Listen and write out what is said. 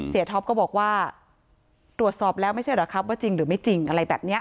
ท็อปก็บอกว่าตรวจสอบแล้วไม่ใช่เหรอครับว่าจริงหรือไม่จริงอะไรแบบนี้